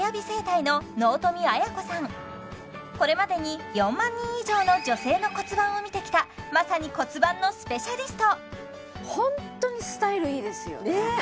これまでに４万人以上の女性の骨盤を見てきたまさに骨盤のスペシャリストホントにスタイルいいですよねねっ！